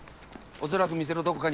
おそらく店のどこかに。